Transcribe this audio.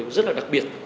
rất là đặc biệt